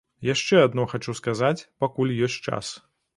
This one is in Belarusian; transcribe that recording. Яшчэ адно хачу сказаць, пакуль ёсць час.